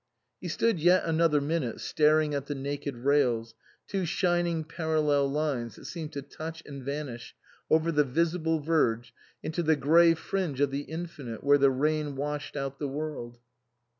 He stood yet another minute staring at the naked rails, two shining parallel lines that seemed to touch and vanish, over the visible verge, into the grey fringe of the infinite where the rain washed out the world.